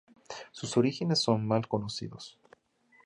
Sus orígenes son mal conocidos.